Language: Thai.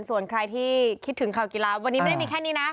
ส่วนใครที่คิดถึงข่าวกีฬาวันนี้ไม่ได้มีแค่นี้นะ